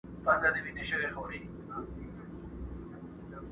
نه ورکيږي هيڅکله،